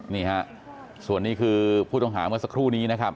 นี่ฮะส่วนนี้คือผู้ต้องหาเมื่อสักครู่นี้นะครับ